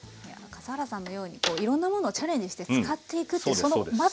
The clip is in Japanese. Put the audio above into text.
笠原さんのようにいろんなものをチャレンジして使っていくってそのまずね。